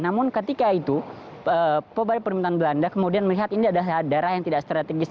namun ketika itu pemerintahan belanda kemudian melihat ini adalah daerah yang tidak strategis